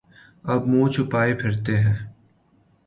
اب منہ چھپائے پھرتے ہیں۔